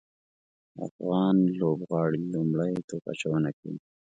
افغان لوبغاړي لومړی توپ اچونه کوي